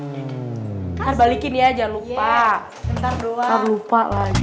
ntar balikin ya jangan lupa